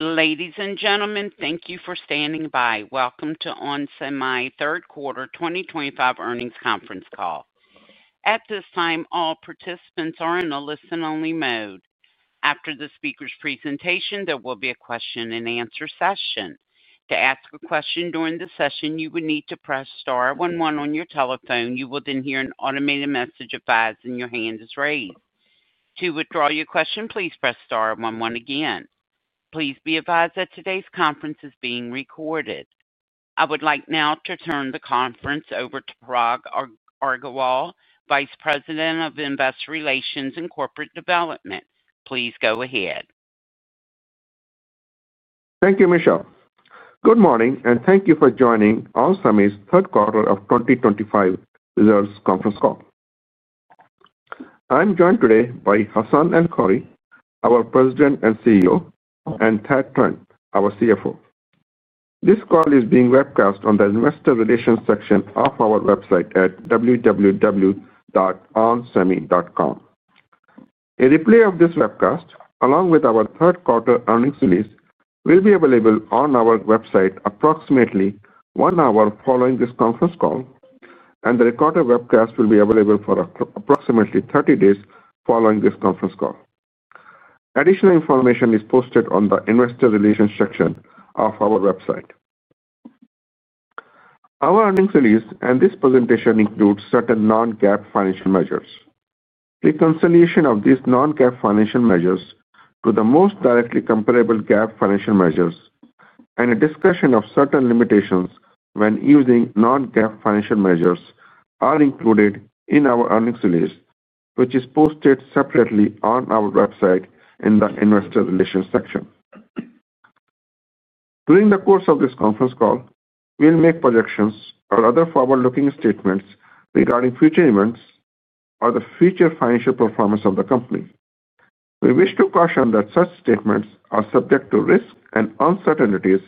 Ladies and gentlemen, thank you for standing by. Welcome to onsemi third quarter 2025 earnings conference call. At this time, all participants are in a listen-only mode. After the speaker's presentation, there will be a question-and-answer session. To ask a question during the session, you would need to press star one one on your telephone. You will then hear an automated message advising your hand is raised. To withdraw your question, please press star one one again. Please be advised that today's conference is being recorded. I would like now to turn the conference over to Parag Agarwal, Vice President of Investor Relations and Corporate Development. Please go ahead. Thank you, Michelle. Good morning, and thank you for joining onsemi's third quarter 2025 results conference call. I'm joined today by Hassane El-Khoury, our President and CEO, and Thad Trent, our CFO. This call is being webcast on the Investor Relations section of our website at www.onsemi.com. A replay of this webcast, along with our third quarter earnings release, will be available on our website approximately one hour following this conference call, and the recorded webcast will be available for approximately 30 days following this conference call. Additional information is posted on the Investor Relations section of our website. Our earnings release and this presentation include certain non-GAAP financial measures. Reconciliation of these non-GAAP financial measures to the most directly comparable GAAP financial measures and a discussion of certain limitations when using non-GAAP financial measures are included in our earnings release, which is posted separately on our website in the Investor Relations section. During the course of this conference call, we'll make projections or other forward-looking statements regarding future events or the future financial performance of the company. We wish to caution that such statements are subject to risk and uncertainties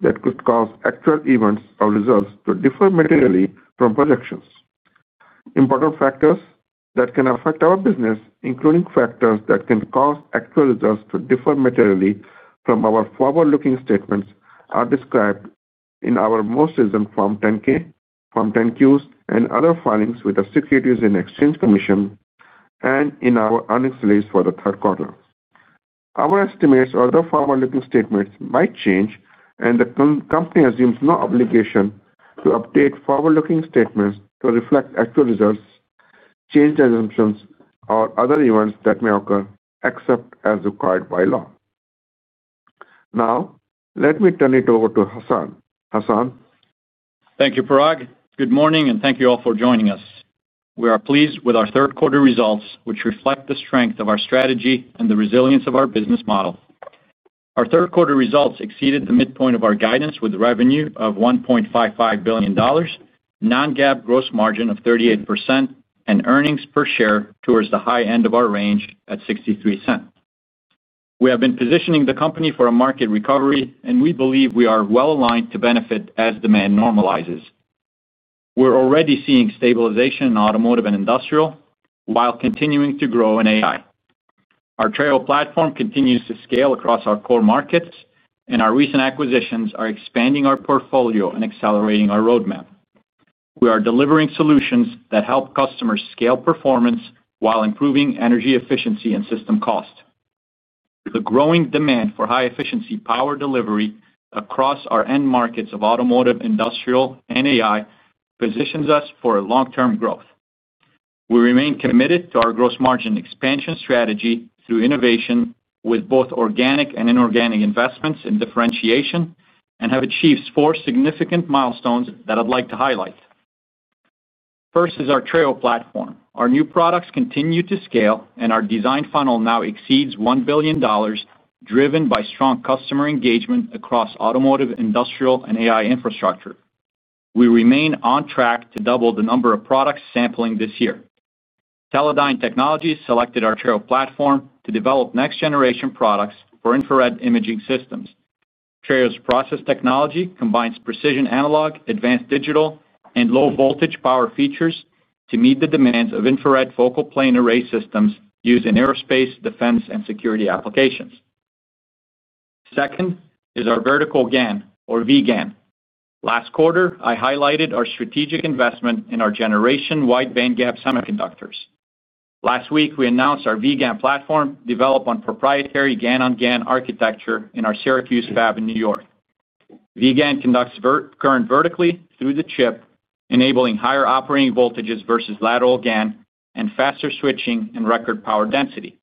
that could cause actual events or results to differ materially from projections. Important factors that can affect our business, including factors that can cause actual results to differ materially from our forward-looking statements, are described in our most recent Form 10-K, Form 10-Q, and other filings with the Securities and Exchange Commission and in our earnings release for the third quarter. Our estimates or other forward-looking statements might change, and the company assumes no obligation to update forward-looking statements to reflect actual results, changed assumptions, or other events that may occur except as required by law. Now, let me turn it over to Hassane. Hassane. Thank you, Parag. Good morning, and thank you all for joining us. We are pleased with our third quarter results, which reflect the strength of our strategy and the resilience of our business model. Our third quarter results exceeded the midpoint of our guidance with revenue of $1.55 billion, non-GAAP gross margin of 38%, and earnings per share towards the high end of our range at $0.63. We have been positioning the company for a market recovery, and we believe we are well aligned to benefit as demand normalizes. We're already seeing stabilization in automotive and industrial while continuing to grow in AI. Our Trail platform continues to scale across our core markets, and our recent acquisitions are expanding our portfolio and accelerating our roadmap. We are delivering solutions that help customers scale performance while improving energy efficiency and system cost. The growing demand for high-efficiency power delivery across our end markets of automotive, industrial, and AI positions us for long-term growth. We remain committed to our gross margin expansion strategy through innovation, with both organic and inorganic investments and differentiation, and have achieved four significant milestones that I'd like to highlight. First is our Trail platform. Our new products continue to scale, and our design funnel now exceeds $1 billion, driven by strong customer engagement across automotive, industrial, and AI infrastructure. We remain on track to double the number of products sampling this year. Teledyne Technologies selected our Trail platform to develop next-generation products for infrared imaging systems. Trail's process technology combines precision analog, advanced digital, and low-voltage power features to meet the demands of infrared focal plane array systems used in aerospace, defense, and security applications. Second is our vertical GaN, or vGaN. Last quarter, I highlighted our strategic investment in our generation wide band gap semiconductors. Last week, we announced our vGaN platform developed on proprietary GaN-on-GaN architecture in our Syracuse fab in New York. vGaN conducts current vertically through the chip, enabling higher operating voltages versus lateral GaN and faster switching and record power density.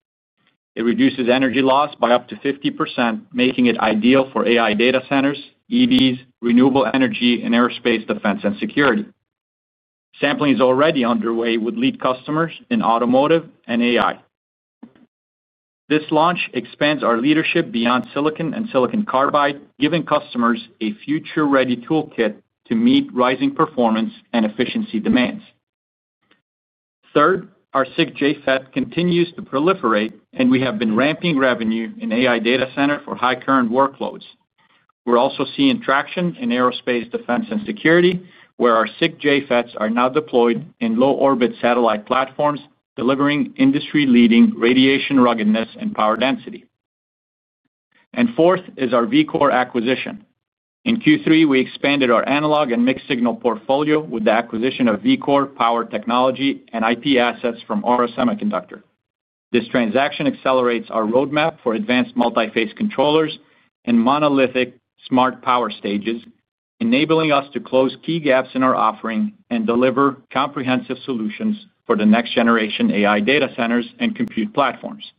It reduces energy loss by up to 50%, making it ideal for AI data centers, EVs, renewable energy, and aerospace, defense, and security. Sampling is already underway with lead customers in automotive and AI. This launch expands our leadership beyond silicon and silicon carbide, giving customers a future-ready toolkit to meet rising performance and efficiency demands. Third, our SiC JFET continues to proliferate, and we have been ramping revenue in AI data centers for high-current workloads. We're also seeing traction in aerospace, defense, and security, where our SiC JFETs are now deployed in low-orbit satellite platforms, delivering industry-leading radiation ruggedness and power density. And fourth is our VCORE acquisition. In Q3, we expanded our analog and mixed-signal portfolio with the acquisition of VCORE power technology and IP assets from Aura Semiconductor. This transaction accelerates our roadmap for advanced multiphase controllers and monolithic smart power stages, enabling us to close key gaps in our offering and deliver comprehensive solutions for the next generation AI data centers and compute platforms.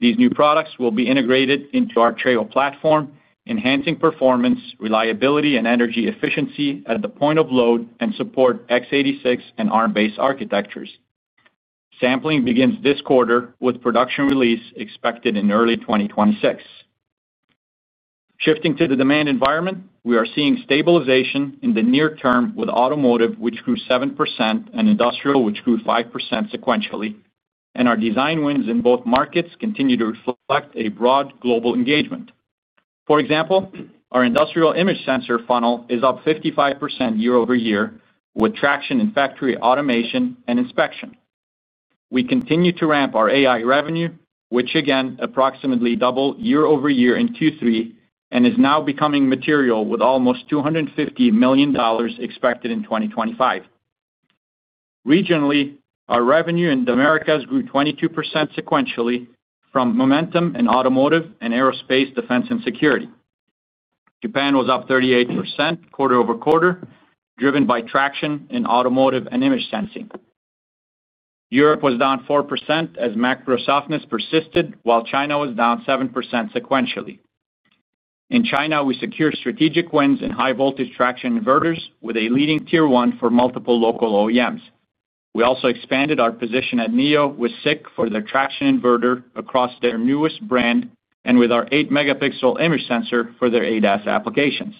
These new products will be integrated into our Trail platform, enhancing performance, reliability, and energy efficiency at the point of load and support x86 and ARM-based architectures. Sampling begins this quarter with production release expected in early 2026. Shifting to the demand environment, we are seeing stabilization in the near term with automotive, which grew 7%, and industrial, which grew 5% sequentially, and our design wins in both markets continue to reflect a broad global engagement. For example, our industrial image sensor funnel is up 55% year-over-year, with traction in factory automation and inspection. We continue to ramp our AI revenue, which again approximately doubled year over year in Q3 and is now becoming material, with almost $250 million expected in 2025. Regionally, our revenue in the Americas grew 22% sequentially from momentum in automotive and aerospace, defense, and security. Japan was up 38% quarter-over-quarter, driven by traction in automotive and image sensing. Europe was down 4% as macro softness persisted, while China was down 7% sequentially. In China, we secured strategic wins in high-voltage traction inverters with a leading tier one for multiple local OEMs. We also expanded our position at NIO with SICK for their traction inverter across their newest brand and with our 8-megapixel image sensor for their ADAS applications.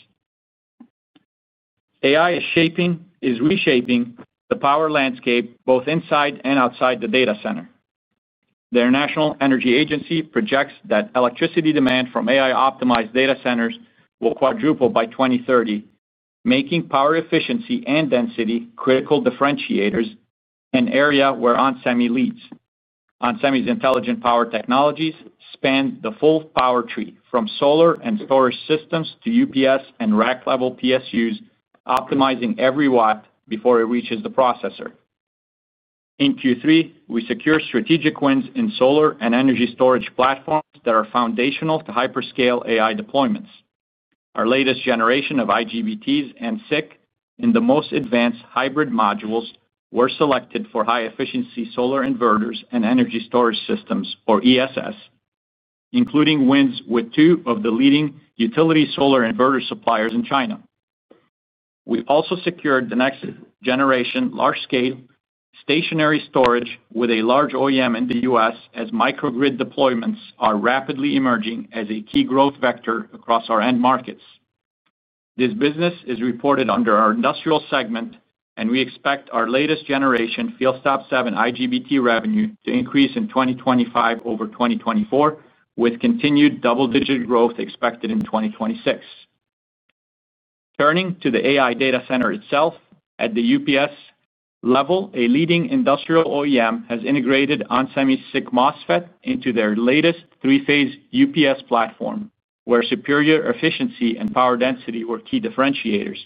AI is reshaping the power landscape both inside and outside the data center. Their National Energy Agency projects that electricity demand from AI-optimized data centers will quadruple by 2030, making power efficiency and density critical differentiators, an area where onsemi leads. Onsemi's intelligent power technologies span the full power tree from solar and storage systems to UPS and rack-level PSUs, optimizing every watt before it reaches the processor. In Q3, we secured strategic wins in solar and energy storage platforms that are foundational to hyperscale AI deployments. Our latest generation of IGBTs and SiC in the most advanced hybrid modules were selected for high-efficiency solar inverters and energy storage systems, or ESS, including wins with two of the leading utility solar inverter suppliers in China. We also secured the next generation large-scale stationary storage with a large OEM in the U.S. as microgrid deployments are rapidly emerging as a key growth vector across our end markets. This business is reported under our industrial segment, and we expect our latest generation Field Stop 7 IGBT revenue to increase in 2025 over 2024, with continued double-digit growth expected in 2026. Turning to the AI data center itself, at the UPS level, a leading industrial OEM has integrated onsemi's SiC MOSFET into their latest three-phase UPS platform, where superior efficiency and power density were key differentiators.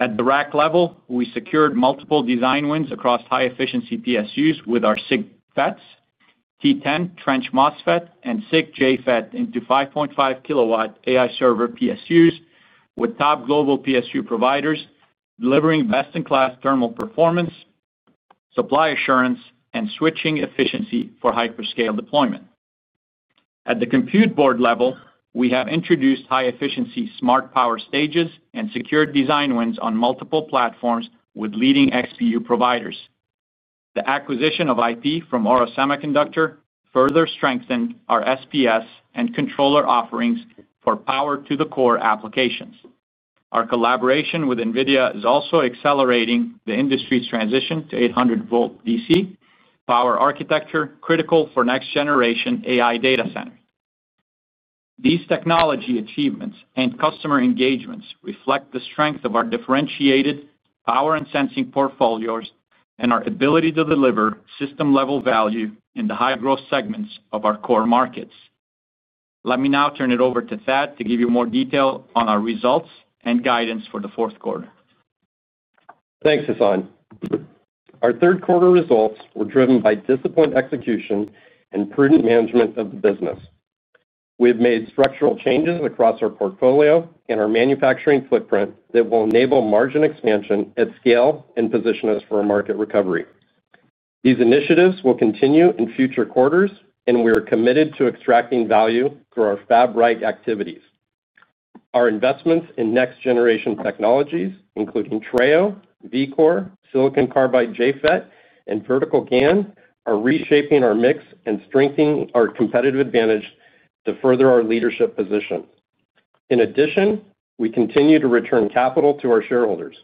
At the rack level, we secured multiple design wins across high-efficiency PSUs with our SIG FETs, T10 Trench MOSFET, and SiC JFET into 5.5 kW AI server PSUs with top global PSU providers, delivering best-in-class thermal performance, supply assurance, and switching efficiency for hyperscale deployment. At the compute board level, we have introduced high-efficiency smart power stages and secured design wins on multiple platforms with leading XPU providers. The acquisition of IP from Aura Semiconductor further strengthened our SPS and controller offerings for power-to-the-core applications. Our collaboration with NVIDIA is also accelerating the industry's transition to 800-volt DC power architecture critical for next-generation AI data centers. These technology achievements and customer engagements reflect the strength of our differentiated power and sensing portfolios and our ability to deliver system-level value in the high-growth segments of our core markets. Let me now turn it over to Thad to give you more detail on our results and guidance for the fourth quarter. Thanks, Hassane. Our third-quarter results were driven by disciplined execution and prudent management of the business. We have made structural changes across our portfolio and our manufacturing footprint that will enable margin expansion at scale and position us for a market recovery. These initiatives will continue in future quarters, and we are committed to extracting value through our fab-like activities. Our investments in next-generation technologies, including Trail, VCORE, silicon carbide JFET, and vertical GaN, are reshaping our mix and strengthening our competitive advantage to further our leadership position. In addition, we continue to return capital to our shareholders.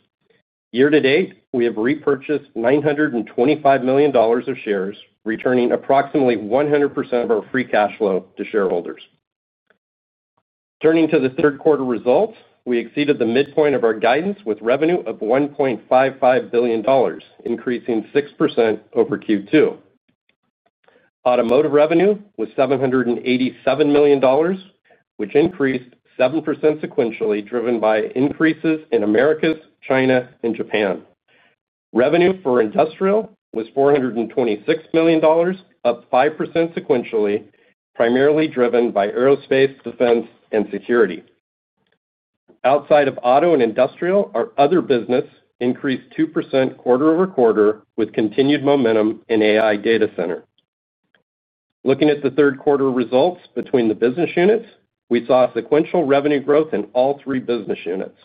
Year to date, we have repurchased $925 million of shares, returning approximately 100% of our free cash flow to shareholders. Turning to the third-quarter results, we exceeded the midpoint of our guidance with revenue of $1.55 billion, increasing 6% over Q2. Automotive revenue was $787 million, which increased 7% sequentially, driven by increases in Americas, China, and Japan. Revenue for industrial was $426 million, up 5% sequentially, primarily driven by aerospace, defense, and security. Outside of auto and industrial, our other business increased 2% quarter over quarter with continued momentum in AI data center. Looking at the third-quarter results between the business units, we saw sequential revenue growth in all three business units.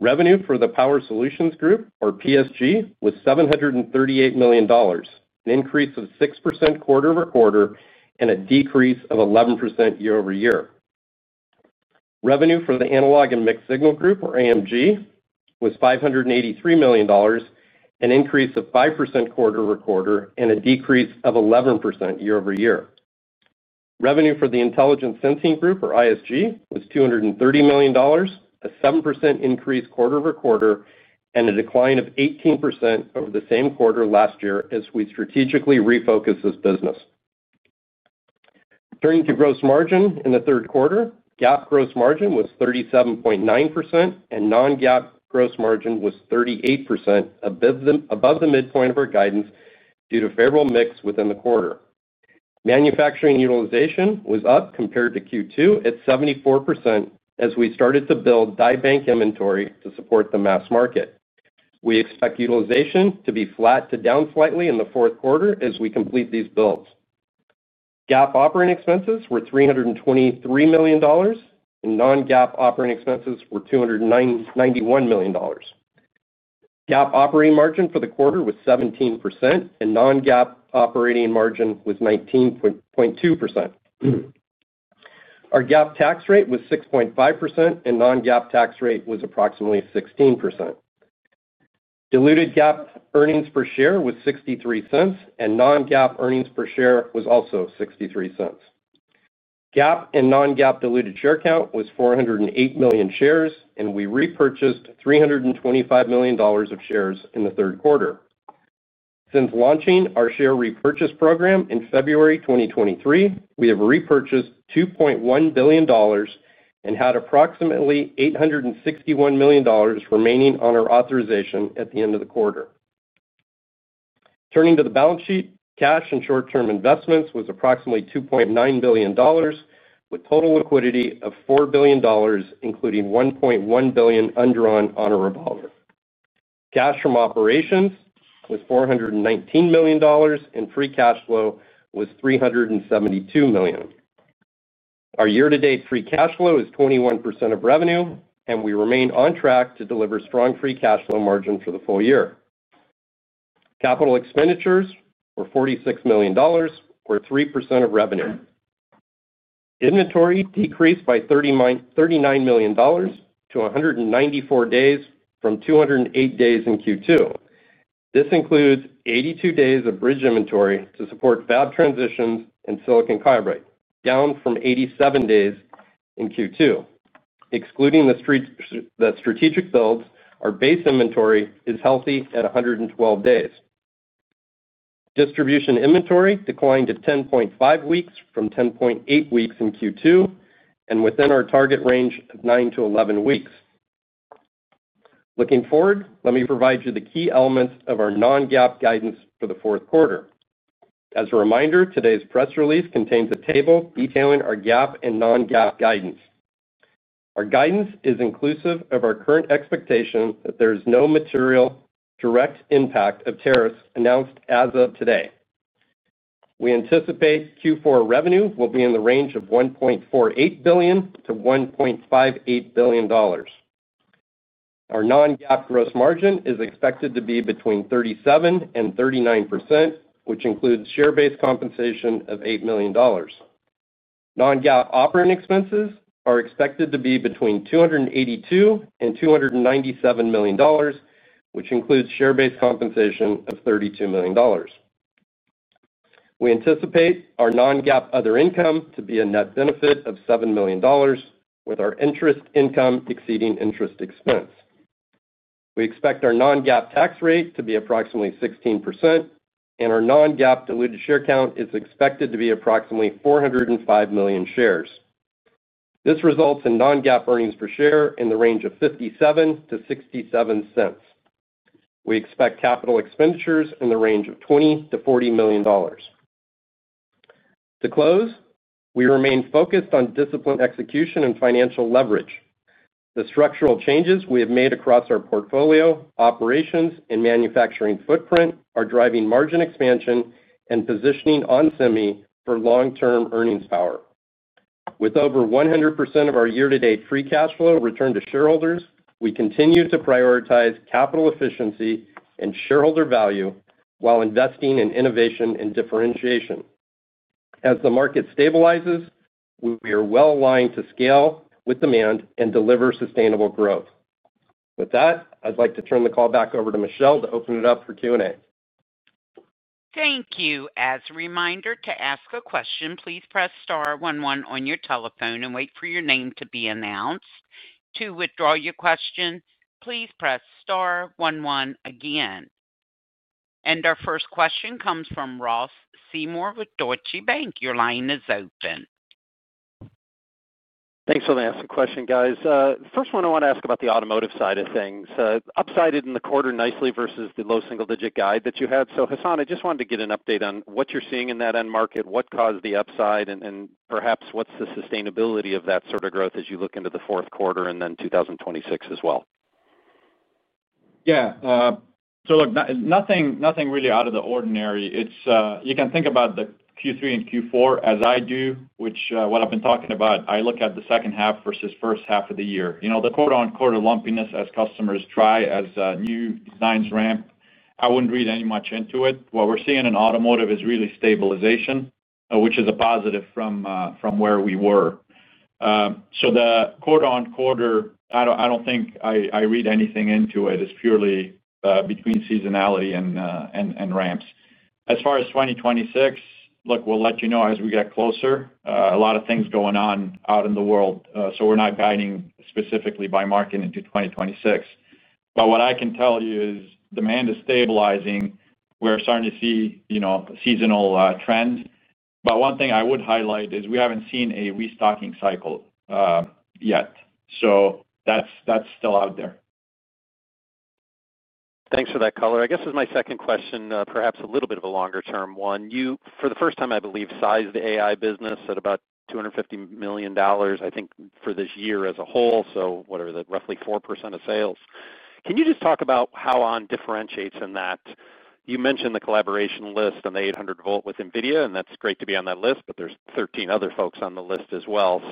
Revenue for the Power Solutions Group, or PSG, was $738 million, an increase of 6% quarter over quarter and a decrease of 11% year-over-year. Revenue for the Analog and Mixed Signal Group, or AMG, was $583 million, an increase of 5% quarter-over-quarter and a decrease of 11% year-over-year. Revenue for the Intelligent Sensing Group, or ISG, was $230 million, a 7% increase quarter-over-quarter and a decline of 18% over the same quarter last year as we strategically refocused this business. Turning to gross margin in the third quarter, GAAP gross margin was 37.9%, and non-GAAP gross margin was 38%, above the midpoint of our guidance due to favorable mix within the quarter. Manufacturing utilization was up compared to Q2 at 74% as we started to build die bank inventory to support the mass market. We expect utilization to be flat to down slightly in the fourth quarter as we complete these builds. GAAP operating expenses were $323 million, and non-GAAP operating expenses were $291 million. GAAP operating margin for the quarter was 17%, and non-GAAP operating margin was 19.2%. Our GAAP tax rate was 6.5%, and non-GAAP tax rate was approximately 16%. Diluted GAAP earnings per share was $0.63, and non-GAAP earnings per share was also $0.63. GAAP and non-GAAP diluted share count was 408 million shares, and we repurchased $325 million of shares in the third quarter. Since launching our share repurchase program in February 2023, we have repurchased $2.1 billion and had approximately $861 million remaining on our authorization at the end of the quarter. Turning to the balance sheet, cash and short-term investments was approximately $2.9 billion, with total liquidity of $4 billion, including $1.1 billion undrawn on a revolver. Cash from operations was $419 million, and free cash flow was $372 million. Our year-to-date free cash flow is 21% of revenue, and we remain on track to deliver strong free cash flow margin for the full year. Capital expenditures were $46 million, or 3% of revenue. Inventory decreased by $39 million to 194 days from 208 days in Q2. This includes 82 days of bridge inventory to support fab transitions and silicon carbide, down from 87 days in Q2. Excluding the strategic builds, our base inventory is healthy at 112 days. Distribution inventory declined to 10.5 weeks from 10.8 weeks in Q2 and within our target range of 9 to 11 weeks. Looking forward, let me provide you the key elements of our non-GAAP guidance for the fourth quarter. As a reminder, today's press release contains a table detailing our GAAP and non-GAAP guidance. Our guidance is inclusive of our current expectation that there is no material direct impact of tariffs announced as of today. We anticipate Q4 revenue will be in the range of $1.48 billion-$1.58 billion. Our non-GAAP gross margin is expected to be between 37%-39%, which includes share-based compensation of $8 million. Non-GAAP operating expenses are expected to be between $282 million-$297 million, which includes share-based compensation of $32 million. We anticipate our non-GAAP other income to be a net benefit of $7 million, with our interest income exceeding interest expense. We expect our non-GAAP tax rate to be approximately 16%, and our non-GAAP diluted share count is expected to be approximately 405 million shares. This results in non-GAAP earnings per share in the range of $0.57-$0.67. We expect capital expenditures in the range of $20 million-$40 million. To close, we remain focused on discipline execution and financial leverage. The structural changes we have made across our portfolio, operations, and manufacturing footprint are driving margin expansion and positioning onsemi for long-term earnings power. With over 100% of our year-to-date free cash flow returned to shareholders, we continue to prioritize capital efficiency and shareholder value while investing in innovation and differentiation. As the market stabilizes, we are well aligned to scale with demand and deliver sustainable growth. With that, I'd like to turn the call back over to Michelle to open it up for Q&A. Thank you. As a reminder to ask a question, please press star one one on your telephone and wait for your name to be announced. To withdraw your question, please press star one one again. Our first question comes from Ross Seymore with Deutsche Bank. Your line is open. Thanks for the question, guys. First one, I want to ask about the automotive side of things. Upside in the quarter nicely versus the low single-digit guide that you had. So, Hassane, I just wanted to get an update on what you're seeing in that end market, what caused the upside, and perhaps what's the sustainability of that sort of growth as you look into the fourth quarter and then 2026 as well. Yeah. Nothing really out of the ordinary. You can think about the Q3 and Q4 as I do, which is what I've been talking about. I look at the second half versus the first half of the year. The quarter-on-quarter lumpiness as customers try as new designs ramp, I wouldn't read much into it. What we're seeing in automotive is really stabilization, which is a positive from where we were. The quarter-on-quarter, I don't think I read anything into it. It's purely between seasonality and ramps. As far as 2026, we'll let you know as we get closer. A lot of things going on out in the world, so we're not guiding specifically by market into 2026. What I can tell you is demand is stabilizing. We're starting to see a seasonal trend. One thing I would highlight is we haven't seen a restocking cycle yet. That's still out there. Thanks for that color. I guess this is my second question, perhaps a little bit of a longer-term one. You, for the first time, I believe, sized the AI business at about $250 million, I think, for this year as a whole, so what are the roughly 4% of sales. Can you just talk about how ON differentiates in that? You mentioned the collaboration list on the 800-volt with NVIDIA, and that's great to be on that list, but there's 13 other folks on the list as well.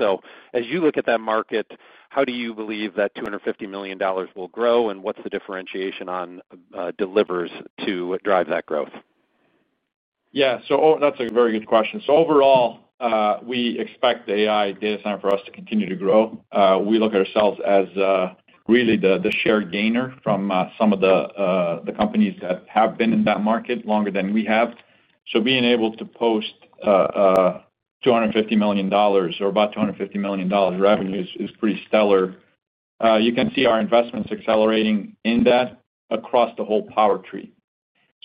As you look at that market, how do you believe that $250 million will grow, and what's the differentiation ON delivers to drive that growth? Yeah. That's a very good question. Overall, we expect the AI data center for us to continue to grow. We look at ourselves as really the share gainer from some of the companies that have been in that market longer than we have. Being able to post $250 million or about $250 million revenues is pretty stellar. You can see our investments accelerating in that across the whole power tree.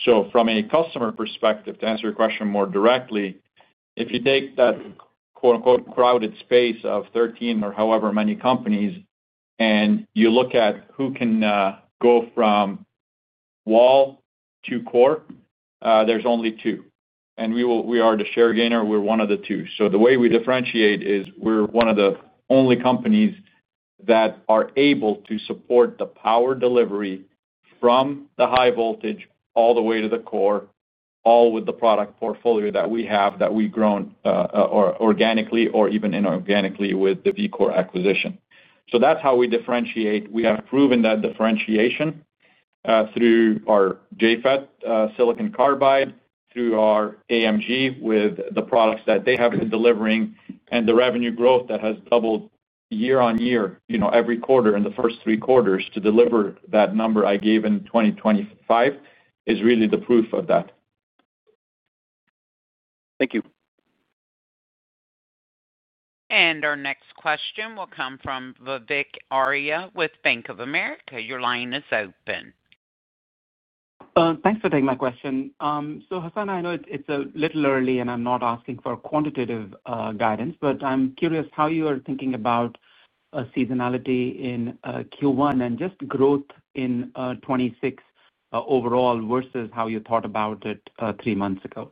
From a customer perspective, to answer your question more directly, if you take that "crowded space" of 13 or however many companies and you look at who can go from wall to core, there are only two. We are the shared gainer. We are one of the two. The way we differentiate is we are one of the only companies that are able to support the power delivery from the high voltage all the way to the core, all with the product portfolio that we have that we have grown organically or even inorganically with the VCORE acquisition. That is how we differentiate. We have proven that differentiation through our JFET, silicon carbide, through our AMG with the products that they have been delivering, and the revenue growth that has doubled year-on-year, every quarter in the first three quarters to deliver that number I gave in 2025 is really the proof of that. Thank you. Our next question will come from Vivek Arya with Bank of America. Your line is open. Thanks for taking my question. Hassane, I know it is a little early and I am not asking for quantitative guidance, but I am curious how you are thinking about seasonality in Q1 and just growth in 2026 overall versus how you thought about it three months ago.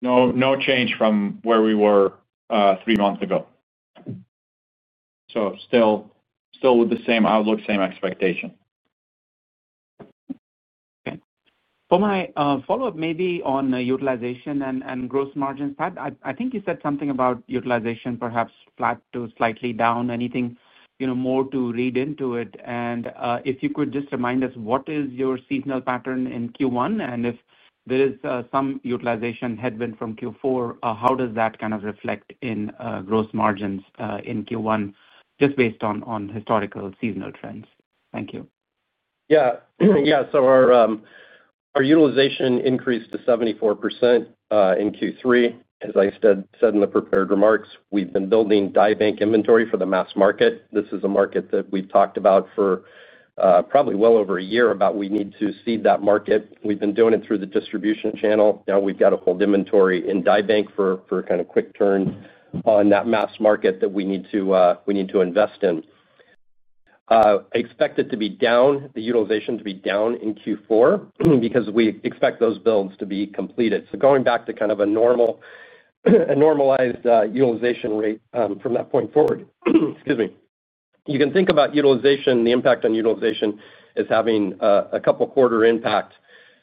No change from where we were three months ago. Still with the same outlook, same expectation. Okay. For my follow-up, maybe on utilization and gross margins, I think you said something about utilization perhaps flat to slightly down, anything more to read into it? If you could just remind us, what is your seasonal pattern in Q1? If there is some utilization headwind from Q4, how does that kind of reflect in gross margins in Q1 just based on historical seasonal trends? Thank you. Yeah. Our utilization increased to 74% in Q3, as I said in the prepared remarks. We have been building die bank inventory for the mass market. This is a market that we have talked about for probably well over a year about needing to seed that market. We have been doing it through the distribution channel. Now we have to hold inventory in die bank for kind of quick turn on that mass market that we need to invest in. I expect it to be down, the utilization to be down in Q4 because we expect those builds to be completed. Going back to kind of a normal, normalized utilization rate from that point forward, excuse me. You can think about utilization, the impact on utilization as having a couple-quarter impact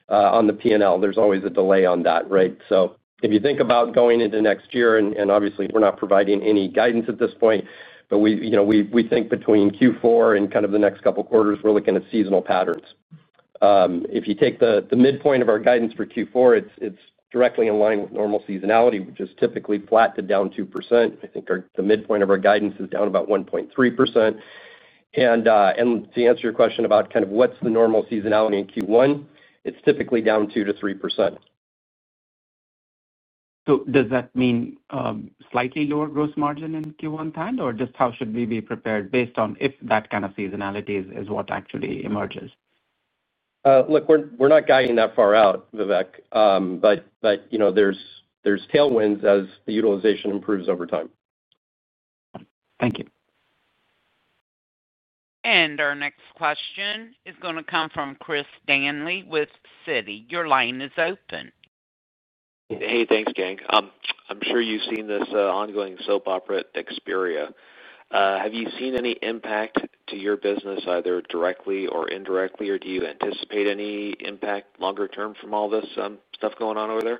on the P&L. There is always a delay on that, right? If you think about going into next year, and obviously we're not providing any guidance at this point, but we think between Q4 and kind of the next couple quarters, we're looking at seasonal patterns. If you take the midpoint of our guidance for Q4, it's directly in line with normal seasonality, which is typically flat to down 2%. I think the midpoint of our guidance is down about 1.3%. To answer your question about kind of what's the normal seasonality in Q1, it's typically down 2%-3%. Does that mean slightly lower gross margin in Q1 time, or just how should we be prepared based on if that kind of seasonality is what actually emerges? Look, we're not guiding that far out, Vivek, but there's tailwinds as the utilization improves over time. Got it. Thank you. Our next question is going to come from Chris Danely with Citi. Your line is open. Hey, thanks, Gang. I'm sure you've seen this ongoing soap opera, Nexperia. Have you seen any impact to your business, either directly or indirectly, or do you anticipate any impact longer term from all this stuff going on over there?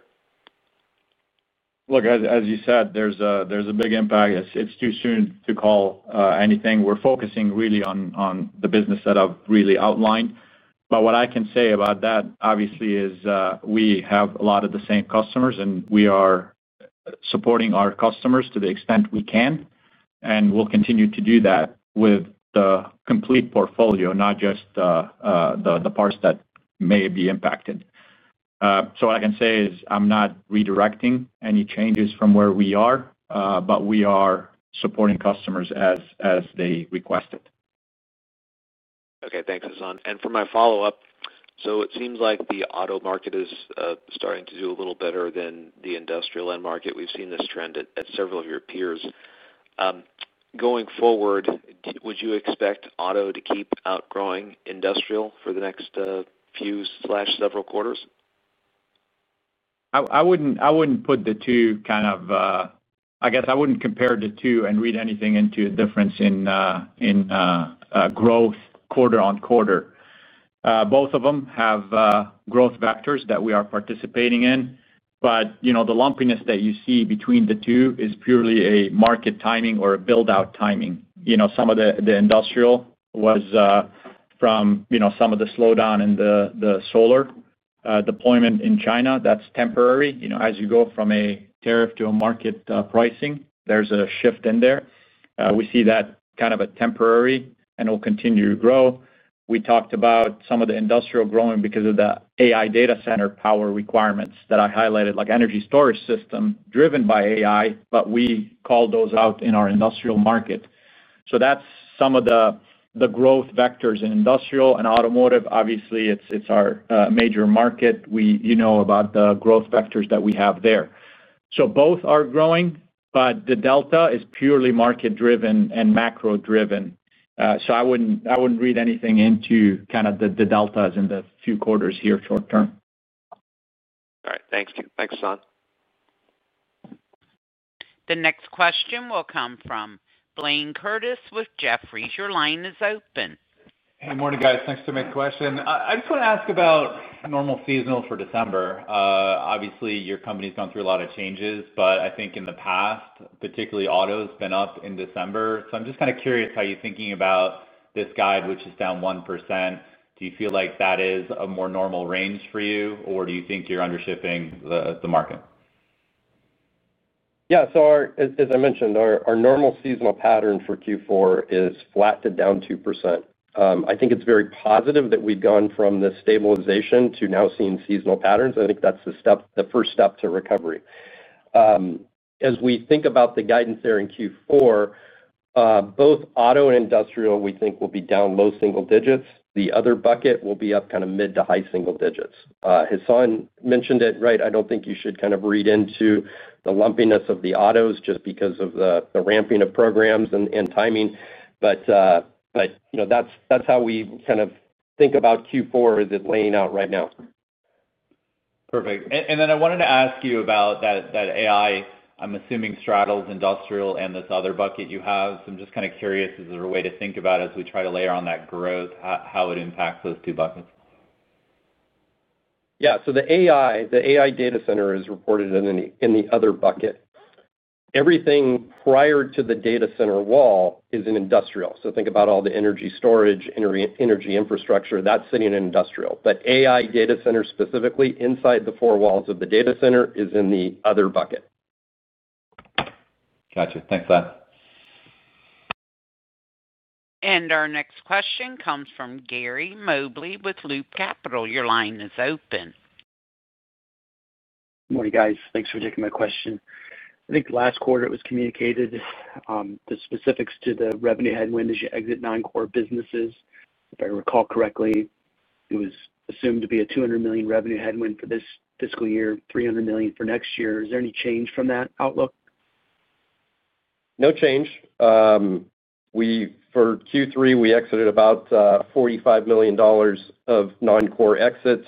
Look, as you said, there's a big impact. It's too soon to call anything. We're focusing really on the business that I've really outlined. What I can say about that, obviously, is we have a lot of the same customers, and we are supporting our customers to the extent we can, and we'll continue to do that with the complete portfolio, not just the parts that may be impacted. What I can say is I'm not redirecting any changes from where we are, but we are supporting customers as they request it. Okay. Thanks, Hassane. For my follow-up, it seems like the auto market is starting to do a little better than the industrial end market. We've seen this trend at several of your peers. Going forward, would you expect auto to keep outgrowing industrial for the next few/several quarters? I wouldn't put the two kind of—I guess I wouldn't compare the two and read anything into a difference in growth quarter-on-quarter. Both of them have growth factors that we are participating in, but the lumpiness that you see between the two is purely a market timing or a build-out timing. Some of the industrial was from some of the slowdown in the solar deployment in China. That's temporary. As you go from a tariff to a market pricing, there's a shift in there. We see that as temporary and will continue to grow. We talked about some of the industrial growing because of the AI data center power requirements that I highlighted, like energy storage system driven by AI, but we call those out in our industrial market. That's some of the growth vectors in industrial and automotive. Obviously, it's our major market. You know about the growth factors that we have there. So both are growing, but the delta is purely market-driven and macro-driven. I would not read anything into kind of the deltas in the few quarters here short term. All right. Thanks, Hassane. The next question will come from Blayne Curtis with Jefferies. Your line is open. Hey, morning, guys. Thanks for the question. I just want to ask about normal seasonal for December. Obviously, your company's gone through a lot of changes, but I think in the past, particularly auto has been up in December.I am just kind of curious how you are thinking about this guide, which is down 1%. Do you feel like that is a more normal range for you, or do you think you are undershifting the market? Yeah. As I mentioned, our normal seasonal pattern for Q4 is flat to down 2%. I think it is very positive that we have gone from this stabilization to now seeing seasonal patterns. I think that is the first step to recovery. As we think about the guidance there in Q4, both auto and industrial, we think, will be down low single digits. The other bucket will be up kind of mid to high single digits. Hassane mentioned it, right? I do not think you should kind of read into the lumpiness of the autos just because of the ramping of programs and timing, but that is how we kind of think about Q4 is laying out right now. Perfect. I wanted to ask you about that AI, I am assuming, straddles industrial and this other bucket you have. I am just kind of curious, is there a way to think about, as we try to layer on that growth, how it impacts those two buckets? Yeah. The AI data center is reported in the other bucket. Everything prior to the data center wall is in industrial. Think about all the energy storage, energy infrastructure. That is sitting in industrial. AI data center specifically inside the four walls of the data center is in the other bucket. Gotcha. Thanks, for that. Our next question comes from Gary Mobley with Loop Capital. Your line is open. Morning, guys. Thanks for taking my question. I think last quarter it was communicated, the specifics to the revenue headwind as you exit nine core businesses. If I recall correctly, it was assumed to be a $200 million revenue headwind for this fiscal year, $300 million for next year. Is there any change from that outlook? No change. For Q3, we exited about $45 million of nine core exits.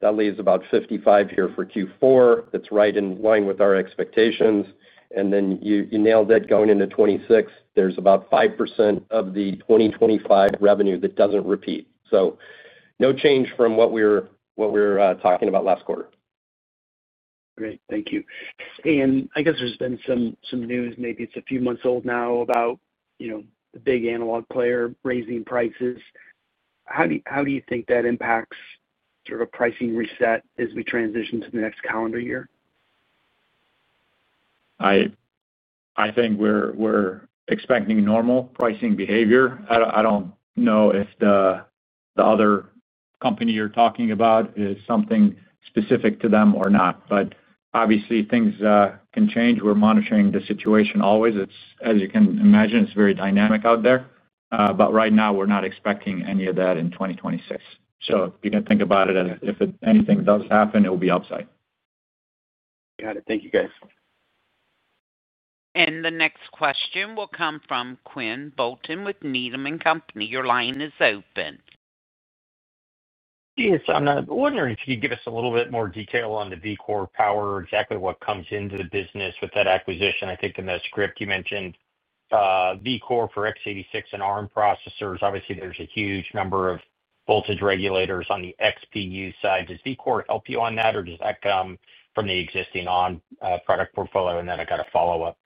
That leaves about $55 million here for Q4. That is right in line with our expectations. You nailed it going into 2026. There is about 5% of the 2025 revenue that does not repeat. No change from what we were talking about last quarter. Great. Thank you. I guess there has been some news, maybe it is a few months old now, about. The big analog player raising prices. How do you think that impacts sort of a pricing reset as we transition to the next calendar year? I think we're expecting normal pricing behavior. I don't know if the other company you're talking about is something specific to them or not, but obviously, things can change. We're monitoring the situation always. As you can imagine, it's very dynamic out there. Right now, we're not expecting any of that in 2026. You can think about it as if anything does happen, it will be upside. Got it. Thank you, guys. The next question will come from Quinn Bolton with Needham & Company. Your line is open. Hey, Hassane, I was wondering if you could give us a little bit more detail on the VCORE power or exactly what comes into the business with that acquisition. I think in the script you mentioned VCORE for x86 and ARM processors. Obviously, there's a huge number of voltage regulators on the XPU side. Does VCORE help you on that, or does that come from the existing ARM product portfolio? I got a follow-up.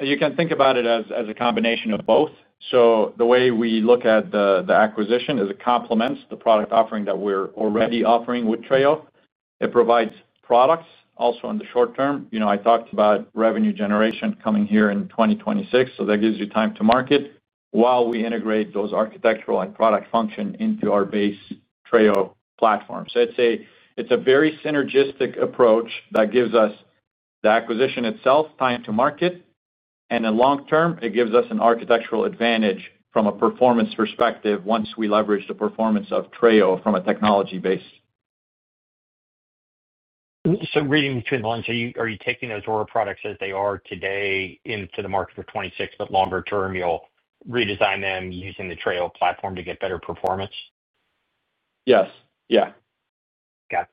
You can think about it as a combination of both. The way we look at the acquisition is it complements the product offering that we're already offering with Trail. It provides products also in the short term. I talked about revenue generation coming here in 2026. That gives you time to market while we integrate those architectural and product functions into our base Trail platform. It's a very synergistic approach that gives us the acquisition itself, time to market, and in long term, it gives us an architectural advantage from a performance perspective once we leverage the performance of Trail from a technology base. Reading between the lines, are you taking those VCORE products as they are today into the market for 2026, but longer term, you'll redesign them using the Trail platform to get better performance? Yes. Yeah. Got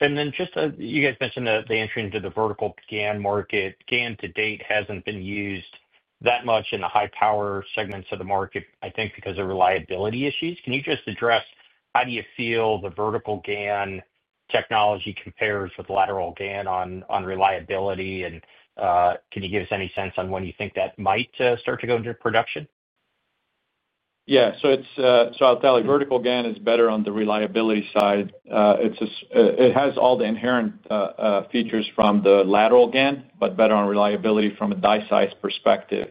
it. You guys mentioned the entry into the vertical GaN market. GaN to date hasn't been used that much in the high-power segments of the market, I think, because of reliability issues. Can you just address how do you feel the vertical GaN technology compares with lateral GaN on reliability? Can you give us any sense on when you think that might start to go into production? Yeah. I'll tell you, vertical GaN is better on the reliability side. It has all the inherent features from the lateral GaN, but better on reliability from a die size perspective.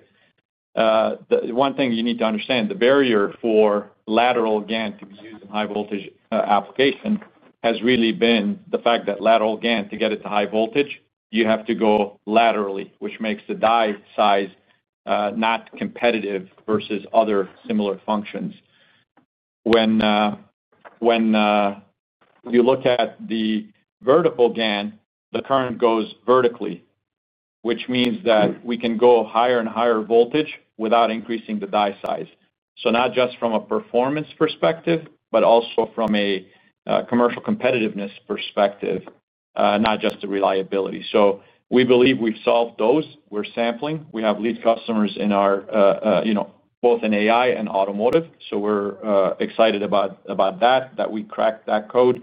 One thing you need to understand, the barrier for lateral GaN to be used in high-voltage applications has really been the fact that lateral GaN, to get it to high voltage, you have to go laterally, which makes the die size not competitive versus other similar functions. When. You look at the vertical GaN, the current goes vertically, which means that we can go higher and higher voltage without increasing the die size. Not just from a performance perspective, but also from a commercial competitiveness perspective, not just the reliability. We believe we've solved those. We're sampling. We have lead customers in both AI and automotive. We're excited about that, that we cracked that code.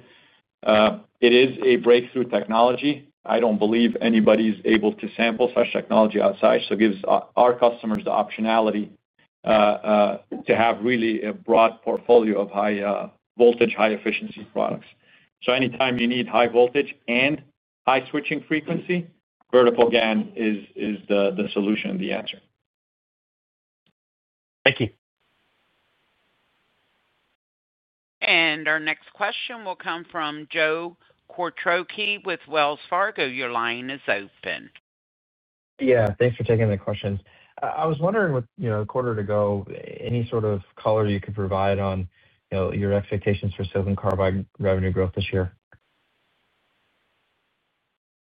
It is a breakthrough technology. I don't believe anybody's able to sample such technology outside. It gives our customers the optionality to have really a broad portfolio of high-voltage, high-efficiency products. Anytime you need high voltage and high switching frequency, vertical GaN is the solution and the answer. Thank you. Our next question will come from Joe Quartrocchi with Wells Fargo. Your line is open. Yeah. Thanks for taking the questions. I was wondering, a quarter to go, any sort of color you could provide on your expectations for silicon carbide revenue growth this year?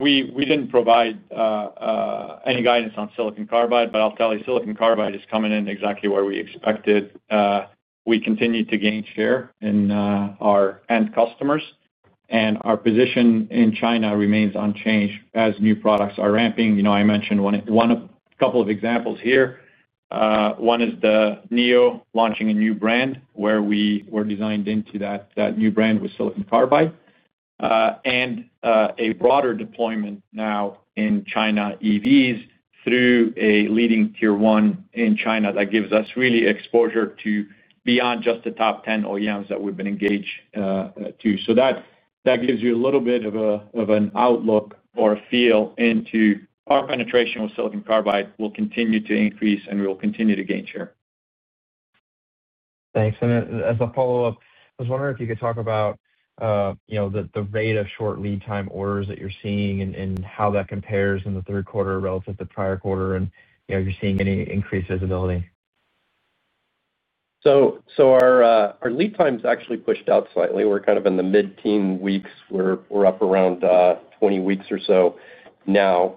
We didn't provide any guidance on silicon carbide, but I'll tell you, silicon carbide is coming in exactly where we expected. We continue to gain share in our end customers, and our position in China remains unchanged as new products are ramping. I mentioned one of a couple of examples here. One is the NIO launching a new brand where we were designed into that new brand with silicon carbide. A broader deployment now in China EVs through a leading tier one in China gives us really exposure to beyond just the top 10 OEMs that we've been engaged to. That gives you a little bit of an outlook or a feel into our penetration with silicon carbide will continue to increase, and we will continue to gain share. Thanks. As a follow-up, I was wondering if you could talk about the rate of short lead time orders that you're seeing and how that compares in the third quarter relative to the prior quarter and if you're seeing any increased visibility. Our lead times actually pushed out slightly. We're kind of in the mid-teen weeks. We're up around 20 weeks or so now.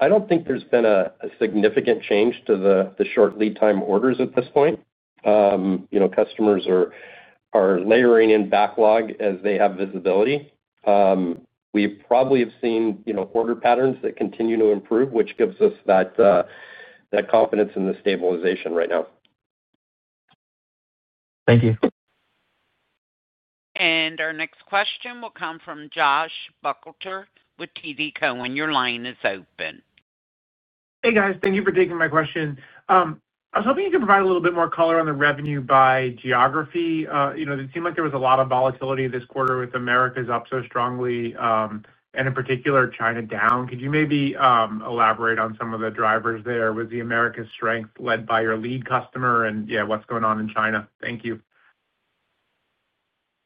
I don't think there's been a significant change to the short lead time orders at this point. Customers are layering in backlog as they have visibility. We probably have seen order patterns that continue to improve, which gives us that confidence in the stabilization right now. Thank you. Our next question will come from Joshua Buchalter with TD Cowen. Your line is open. Hey, guys. Thank you for taking my question. I was hoping you could provide a little bit more color on the revenue by geography. It seemed like there was a lot of volatility this quarter with Americas up so strongly. In particular, China down. Could you maybe elaborate on some of the drivers there? Was the Americas strength led by your lead customer and, yeah, what's going on in China? Thank you.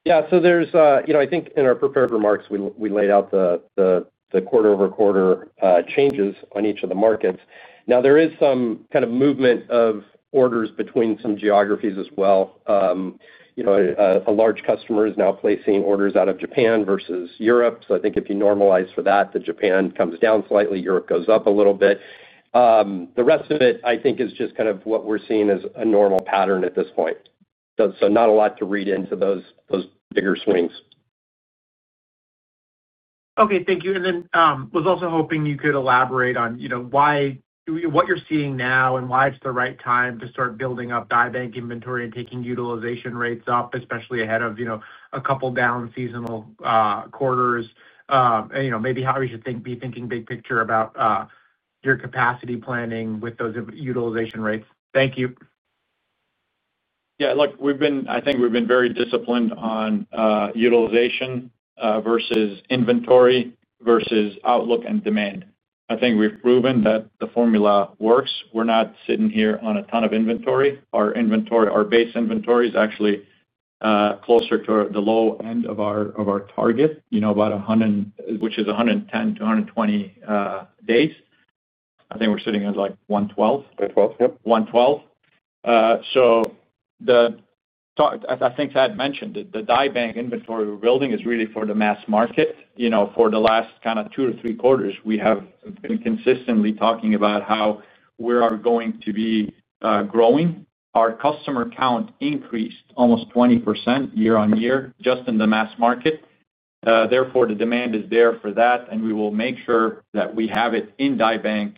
Yeah. In our prepared remarks, we laid out the quarter-over-quarter changes on each of the markets. There is some kind of movement of orders between some geographies as well. A large customer is now placing orders out of Japan versus Europe. If you normalize for that, Japan comes down slightly, Europe goes up a little bit. The rest of it is just what we're seeing as a normal pattern at this point. Not a lot to read into those bigger swings. Okay. Thank you. I was also hoping you could elaborate on what you're seeing now and why it's the right time to start building up die bank inventory and taking utilization rates up, especially ahead of a couple down seasonal quarters. Maybe how we should be thinking big picture about your capacity planning with those utilization rates. Thank you. Yeah. Look, I think we've been very disciplined on utilization versus inventory versus outlook and demand. I think we've proven that the formula works. We're not sitting here on a ton of inventory. Our base inventory is actually closer to the low end of our target, which is 110-120 days. I think we're sitting at like 112. 112, yep. 112. I think Thad mentioned it, the die bank inventory we're building is really for the mass market. For the last two to three quarters, we have been consistently talking about how we are going to be growing. Our customer count increased almost 20% year-on-year just in the mass market. Therefore, the demand is there for that, and we will make sure that we have it in die bank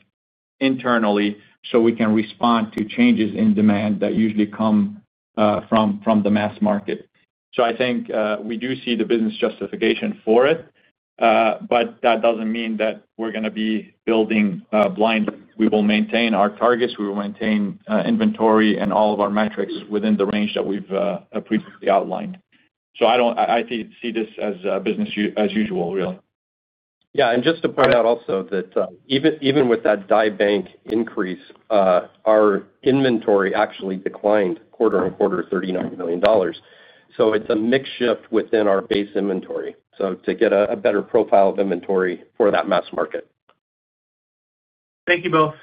internally so we can respond to changes in demand that usually come from the mass market. We do see the business justification for it. That doesn't mean that we're going to be building blindly. We will maintain our targets. We will maintain inventory and all of our metrics within the range that we've previously outlined. I see this as business as usual, really. Yeah. Just to point out also that even with that die bank increase, our inventory actually declined quarter-on-quarter $39 million. It's a mixed shift within our base inventory to get a better profile of inventory for that mass market. Thank you both.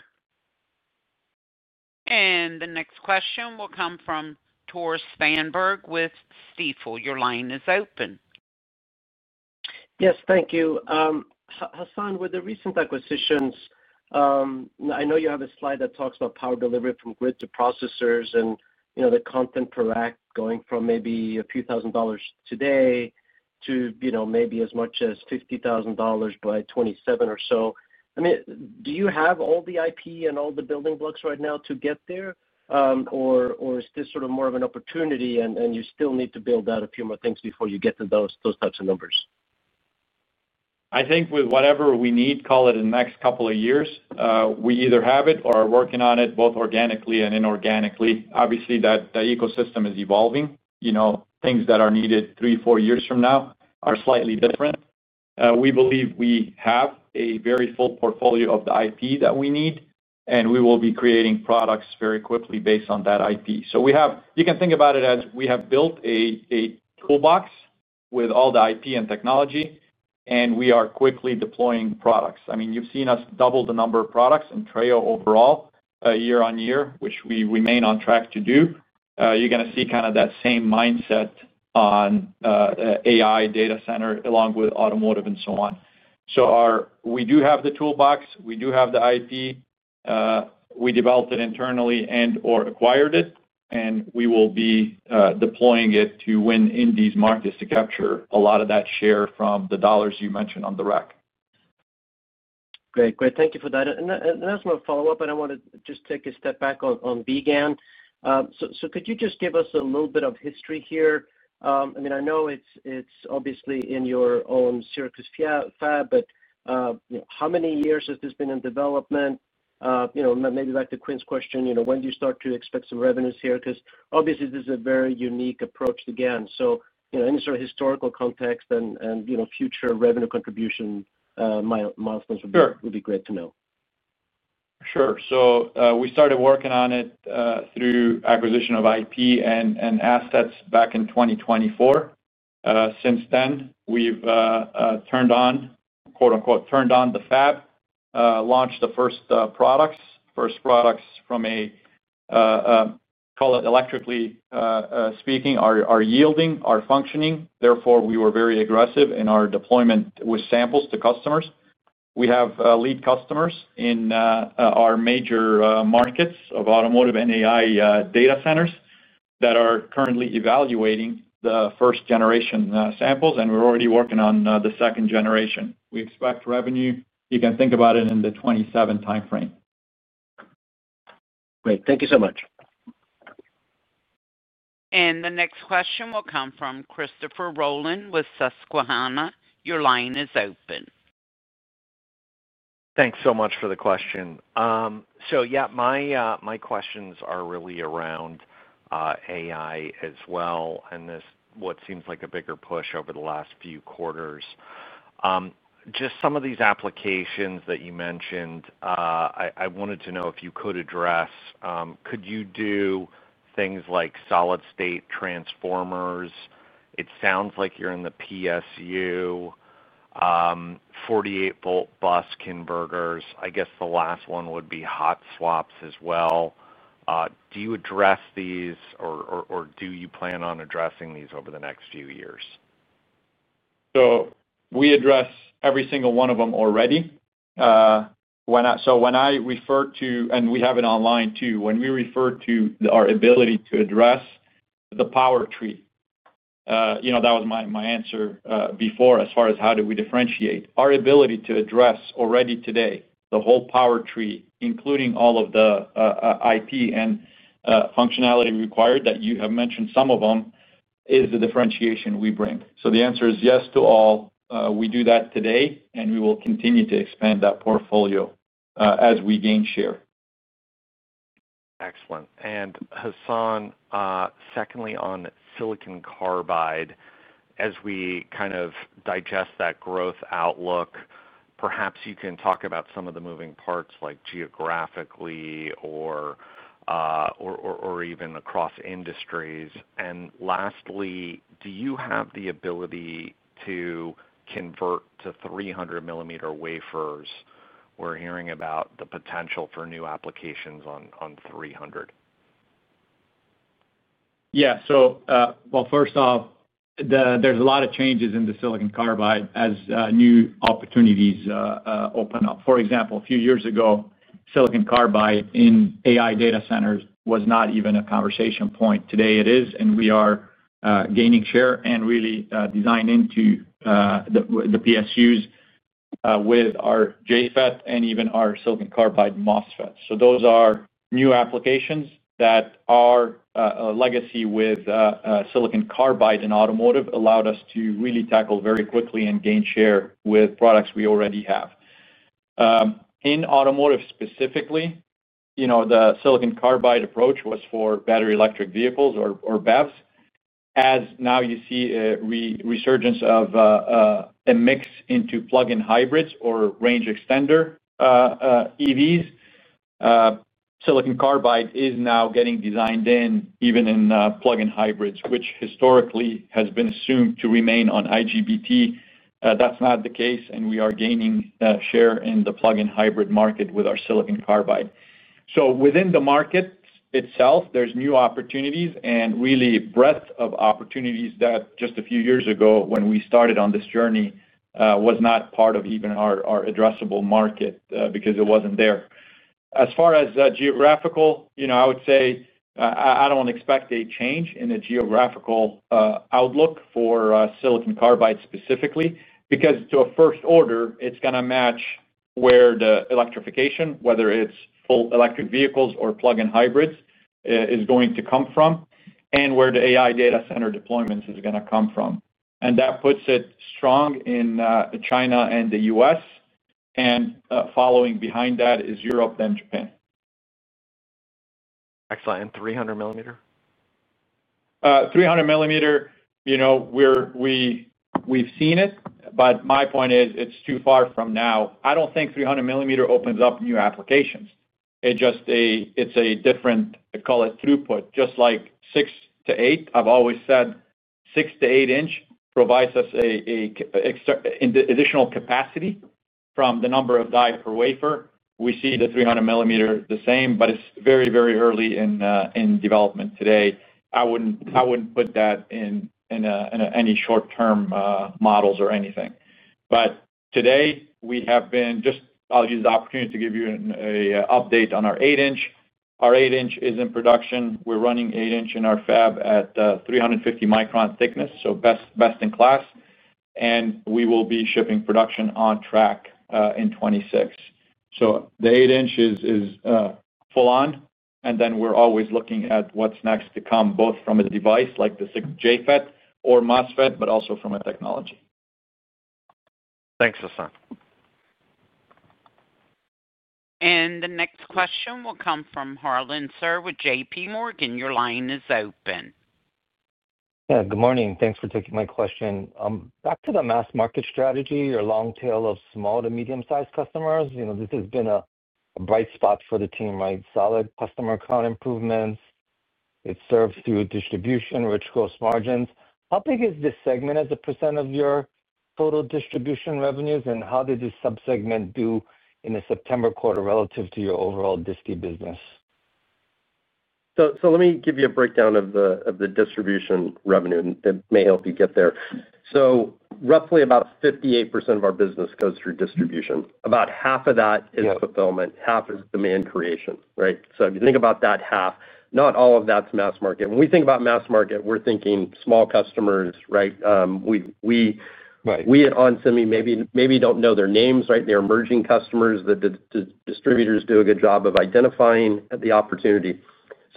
The next question will come from Tore Svanberg with Stifel. Your line is open. Yes. Thank you. Hassane, with the recent acquisitions. I know you have a slide that talks about power delivery from grid to processors and the content per rack going from maybe a few thousand dollars today to maybe as much as $50,000 by 2027 or so. I mean, do you have all the IP and all the building blocks right now to get there, or is this sort of more of an opportunity and you still need to build out a few more things before you get to those types of numbers? I think with whatever we need, call it in the next couple of years, we either have it or are working on it both organically and inorganically. Obviously, the ecosystem is evolving. Things that are needed three, four years from now are slightly different. We believe we have a very full portfolio of the IP that we need, and we will be creating products very quickly based on that IP. You can think about it as we have built a toolbox with all the IP and technology, and we are quickly deploying products. I mean, you've seen us double the number of products and Trail overall year-on-year, which we remain on track to do. You're going to see kind of that same mindset on AI data center along with automotive and so on. We do have the toolbox. We do have the IP. We developed it internally and/or acquired it, and we will be deploying it to win in these markets to capture a lot of that share from the dollars you mentioned on the rack. Great. Great. Thank you for that. That's my follow-up, and I want to just take a step back on vGaN. Could you just give us a little bit of history here? I mean, I know it's obviously in your own Syracuse fab, but how many years has this been in development? Maybe back to Quinn's question, when do you start to expect some revenues here? Because obviously, this is a very unique approach to GaN. Any sort of historical context and future revenue contribution milestones would be great to know. Sure. We started working on it through acquisition of IP and assets back in 2024. Since then, we've turned on the fab, launched the first products. First products from a, call it electrically speaking, are yielding, are functioning. Therefore, we were very aggressive in our deployment with samples to customers. We have lead customers in our major markets of automotive and AI data centers that are currently evaluating the first-generation samples, and we're already working on the second generation. We expect revenue, you can think about it in the 2027 timeframe. Great. Thank you so much. The next question will come from Christopher Rolland with Susquehanna. Your line is open. Thanks so much for the question. My questions are really around AI as well and what seems like a bigger push over the last few quarters. Just some of these applications that you mentioned. I wanted to know if you could address, could you do things like solid-state transformers? It sounds like you're in the PSU, 48-volt bus converters. I guess the last one would be hot swaps as well. Do you address these or do you plan on addressing these over the next few years? We address every single one of them already. When I refer to, and we have it online too, when we refer to our ability to address the power tree, that was my answer before as far as how do we differentiate. Our ability to address already today the whole power tree, including all of the IP and functionality required that you have mentioned, some of them, is the differentiation we bring. The answer is yes to all. We do that today, and we will continue to expand that portfolio as we gain share. Excellent. And Hassane. Secondly, on silicon carbide, as we kind of digest that growth outlook, perhaps you can talk about some of the moving parts like geographically or even across industries. Lastly, do you have the ability to convert to 300 mm wafers? We're hearing about the potential for new applications on 300. Yeah. First off, there's a lot of changes in the silicon carbide as new opportunities open up. For example, a few years ago, silicon carbide in AI data centers was not even a conversation point. Today, it is, and we are gaining share and really designed into the PSUs with our JFET and even our silicon carbide MOSFET. Those are new applications that our legacy with silicon carbide in automotive allowed us to really tackle very quickly and gain share with products we already have. In automotive specifically, the silicon carbide approach was for battery electric vehicles or BEVs. As now you see a resurgence of a mix into plug-in hybrids or range extender EVs, silicon carbide is now getting designed in even in plug-in hybrids, which historically has been assumed to remain on IGBT. That's not the case, and we are gaining share in the plug-in hybrid market with our silicon carbide. Within the market itself, there are new opportunities and really breadth of opportunities that just a few years ago when we started on this journey was not part of even our addressable market because it wasn't there. As far as geographical, I would say I don't expect a change in the geographical outlook for silicon carbide specifically because to a first order, it's going to match where the electrification, whether it's full electric vehicles or plug-in hybrids, is going to come from and where the AI data center deployments are going to come from. That puts it strong in China and the U.S., and following behind that is Europe then Japan. Excellent. And 300 mm? 300 mm. We've seen it, but my point is it's too far from now. I don't think 300 mm opens up new applications. It's a different throughput, just like six to eight inch. I've always said six to eight inch provides us an additional capacity from the number of die per wafer. We see the 300 mm the same, but it's very, very early in development today. I wouldn't put that in any short-term models or anything. But today, we have been just, I'll use the opportunity to give you an update on our eight inch. Our eight inch is in production. We're running eight inch in our fab at 350 micron thickness, so best in class. And we will be shipping production on track in 2026. The eight inch is full-on, and then we're always looking at what's next to come both from a device like the JFET or MOSFET, but also from a technology. Thanks, Hassane. The next question will come from Harlan Sur with JPMorgan. Your line is open. Yeah. Good morning. Thanks for taking my question. Back to the mass market strategy or long tail of small to medium-sized customers. This has been a bright spot for the team, right? Solid customer account improvements. It serves through distribution, which gross margins. How big is this segment as a percentage of your total distribution revenues, and how did this subsegment do in the September quarter relative to your overall DISCI business? Let me give you a breakdown of the distribution revenue that may help you get there. Roughly about 58% of our business goes through distribution. About half of that is fulfillment half is demand creation, right? If you think about that half, not all of that's mass market. When we think about mass market, we're thinking small customers, right? We at onsemi maybe don't know their names, right? They're emerging customers that the distributors do a good job of identifying at the opportunity.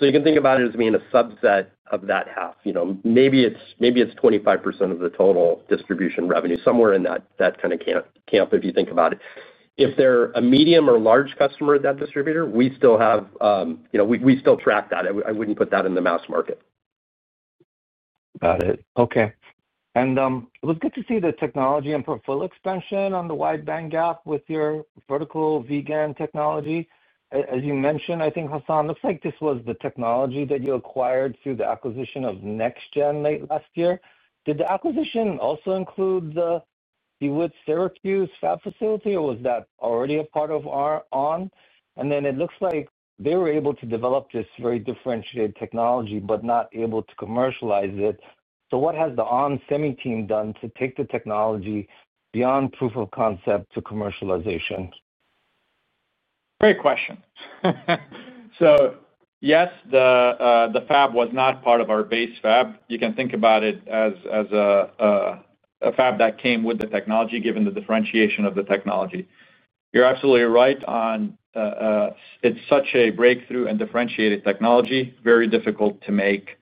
You can think about it as being a subset of that half. Maybe it's 25% of the total distribution revenue, somewhere in that kind of camp if you think about it. If they're a medium or large customer at that distributor, we still have, we still track that. I wouldn't put that in the mass market. Got it. Okay. It was good to see the technology and portfolio expansion on the wide band gap with your vertical vGaN technology. As you mentioned, I think, Hassane, it looks like this was the technology that you acquired through the acquisition of NextGen late last year. Did the acquisition also include the Hewitt Syracuse Fab Facility, or was that already a part of ON? It looks like they were able to develop this very differentiated technology but not able to commercialize it. What has the ON Semiconductor team done to take the technology beyond proof of concept to commercialization? Great question. Yes. The fab was not part of our base fab. You can think about it as a fab that came with the technology given the differentiation of the technology. You're absolutely right on. It's such a breakthrough and differentiated technology, very difficult to make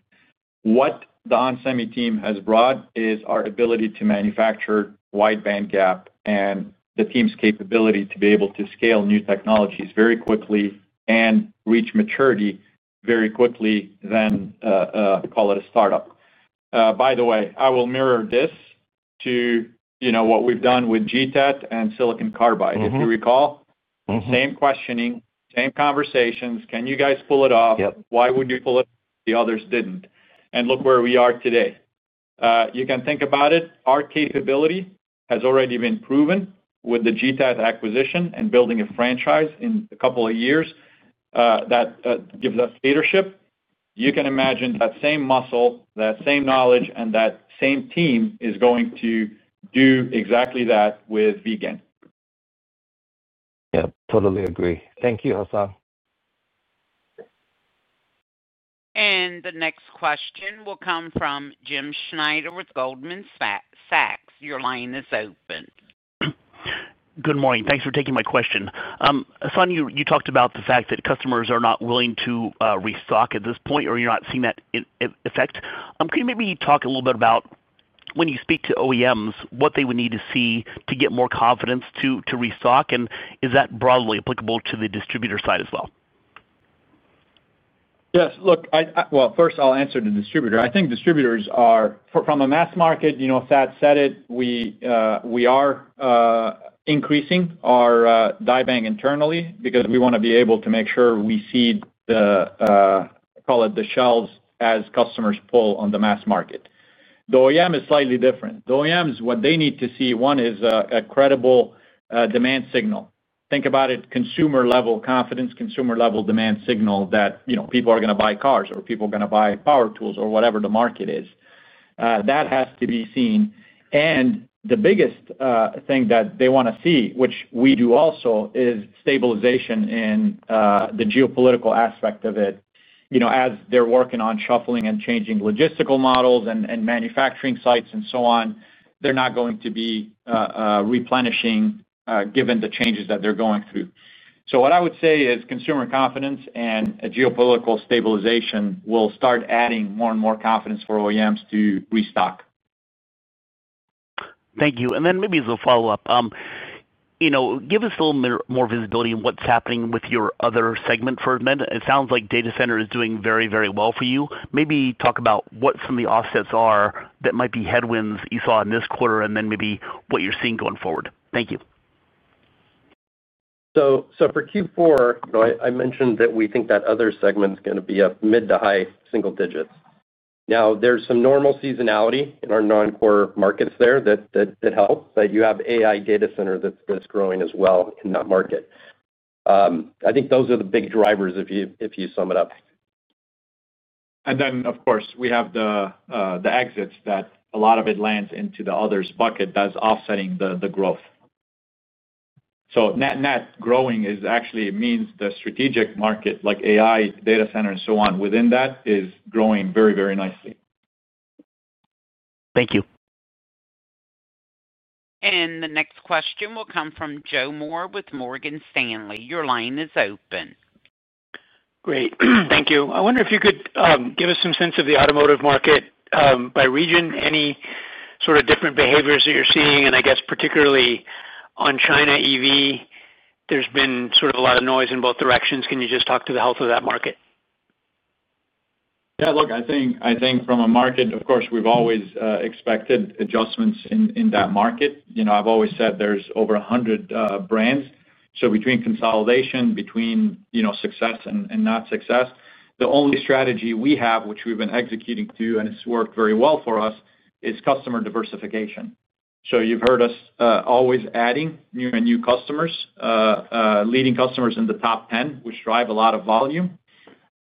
what the onsemi team has brought is our ability to manufacture wide band gap and the team's capability to be able to scale new technologies very quickly and reach maturity very quickly than, call it a startup. By the way, I will mirror this to what we've done with GTAT and silicon carbide, if you recall. Same questioning, same conversations. Can you guys pull it off? Why would you pull it off if the others did not? And look where we are today. You can think about it. Our capability has already been proven with the GTAT acquisition and building a franchise in a couple of years. That gives us leadership. You can imagine that same muscle, that same knowledge, and that same team is going to do exactly that with vGaN. Yeah. Totally agree. Thank you, Hassane. The next question will come from Jim Schneider with Goldman Sachs. Your line is open. Good morning. Thanks for taking my question. Hassane, you talked about the fact that customers are not willing to restock at this point, or you are not seeing that effect. Can you maybe talk a little bit about when you speak to OEMs, what they would need to see to get more confidence to restock? Is that broadly applicable to the distributor side as well? Yes. First, I will answer the distributor. I think distributors are from a mass market, as Thad said it, we are increasing our die bank internally because we want to be able to make sure we see the, call it the shelves as customers pull on the mass market. The OEM is slightly different. The OEMs, what they need to see, one is a credible demand signal. Think about it, consumer-level confidence, consumer-level demand signal that people are going to buy cars or people are going to buy power tools or whatever the market is. That has to be seen. The biggest thing that they want to see, which we do also, is stabilization in the geopolitical aspect of it. As they are working on shuffling and changing logistical models and manufacturing sites and so on, they are not going to be replenishing given the changes that they are going through. What I would say is consumer confidence and geopolitical stabilization will start adding more and more confidence for OEMs to restock. Thank you. Maybe as a follow-up, give us a little more visibility on what is happening with your other segment for a minute. It sounds like data center is doing very, very well for you. Maybe talk about what some of the offsets are that might be headwinds you saw in this quarter and then maybe what you are seeing going forward. Thank you. For Q4, I mentioned that we think that other segment is going to be up mid to high single digits. There is some normal seasonality in our non-core markets there that helps. You have AI data center that is growing as well in that market. I think those are the big drivers if you sum it up. And then, of course, we have the exits that a lot of it lands into the others bucket as offsetting the growth. So net growing actually means the strategic market like AI, data center, and so on within that is growing very, very nicely. Thank you. And the next question will come from Joe Moore with Morgan Stanley. Your line is open. Great. Thank you. I wonder if you could give us some sense of the automotive market by region, any sort of different behaviors that you're seeing, and I guess particularly. On China EV, there's been sort of a lot of noise in both directions. Can you just talk to the health of that market? Yeah. Look, I think from a market, of course, we've always expected adjustments in that market. I've always said there's over 100 brands. So between consolidation, between. Success and not success, the only strategy we have, which we've been executing to, and it's worked very well for us, is customer diversification. So you've heard us always adding new and new customers. Leading customers in the top 10, which drive a lot of volume.